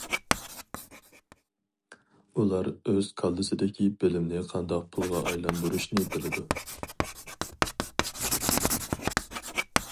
ئۇلار ئۆز كاللىسىدىكى بىلىمنى قانداق پۇلغا ئايلاندۇرۇشنى بىلىدۇ.